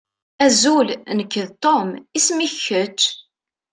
Azul, nekk d Tom. Isem-ik kečč?